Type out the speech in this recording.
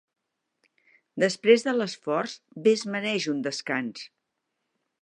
Després de l'esforç, bé es mereix un descans.